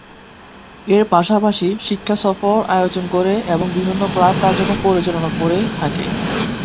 এর পাশাপাশি শিক্ষা সফর আয়োজন করে এবং বিভিন্ন ক্লাব কার্যক্রম পরিচালনা করে থাকে।